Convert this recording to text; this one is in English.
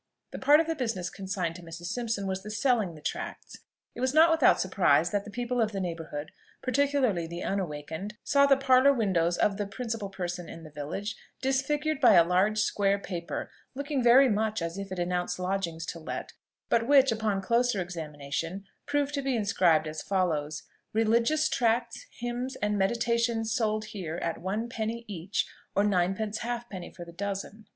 The part of the business consigned to Mrs. Simpson was the selling the tracts. It was not without surprise that the people of the neighbourhood, particularly the unawakened, saw the parlour windows of "the principal person in the village" disfigured by a large square paper, looking very much as if it announced lodgings to let, but which, upon closer examination, proved to be inscribed as follows: "Religious tracts, hymns, and meditations sold here, at one penny each, or ninepence halfpenny for the dozen."